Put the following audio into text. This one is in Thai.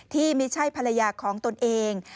ที่ไม่ใช่ภรรยาของตนเอง